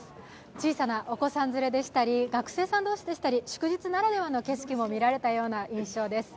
小さなお子さん連れでしたり、学生さん同士でしたり祝日ならではの景色も見られたような印象です。